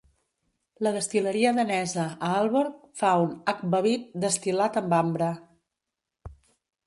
La destil·leria danesa Aalborg fa un "akvavit" destil·lat amb ambre.